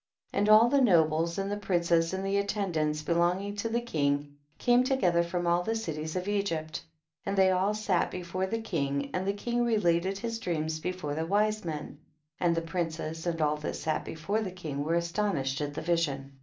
15. And all the nobles and the princes, and the attendants belonging to the king, came together from all the cities of Egypt, and they all sat before the king, and the king related his dreams before the wise men, and the princes and all that sat before the kinff were astonished at the vi sion.